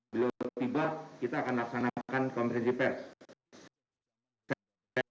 bila tiba kita akan laksanakan kompresi pers